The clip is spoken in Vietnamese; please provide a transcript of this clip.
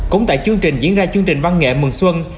cũng tại chương trình diễn ra chương trình văn nghệ mừng xuân